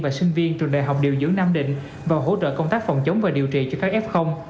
và sinh viên trường đại học điều dưỡng nam định và hỗ trợ công tác phòng chống và điều trị cho các f